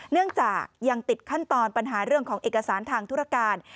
เนื่องจากยังติดขั้นตอนปัญหาเรื่องของเอกสารทางธุรการ